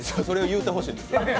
それを言うてほしいんですよ。